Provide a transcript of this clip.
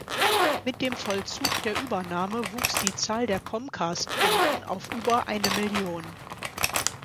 Mit dem Vollzug der Übernahme wuchs die Zahl der Comcast-Kunden auf über eine Million.